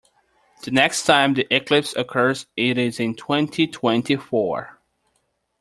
The next time the eclipse occurs is in twenty-twenty-four.